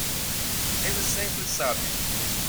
Ele sempre sabe